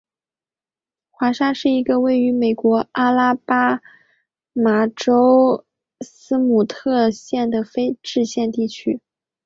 华沙是一个位于美国阿拉巴马州萨姆特县的非建制地区。